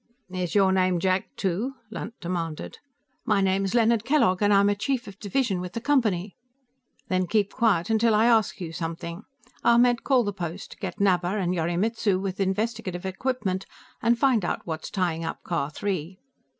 "Is your name Jack too?" Lunt demanded. "My name's Leonard Kellogg, and I'm a chief of division with the Company " "Then keep quiet till I ask you something. Ahmed, call the post; get Knabber and Yorimitsu, with investigative equipment, and find out what's tying up Car Three."